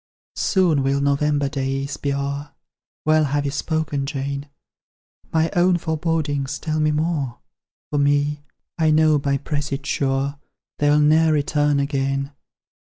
"'Soon will November days be o'er:' Well have you spoken, Jane: My own forebodings tell me more For me, I know by presage sure, They'll ne'er return again.